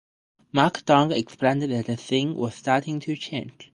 Mark Dronge explained that The scene was starting to change.